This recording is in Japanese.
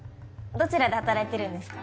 どちらで働いてるんですか？